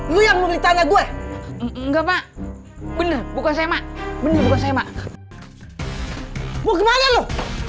lu yang beli tanda gue enggak pak bener bukan saya mak bener bukan saya mak mau kemana lu